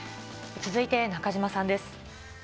続いて中島さんです。